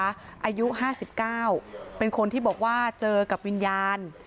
อายุ๕๙เป็นคนที่บอกว่าเจอกับวิญญาณ